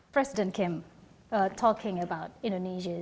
presiden kim berbicara tentang pemerintahan indonesia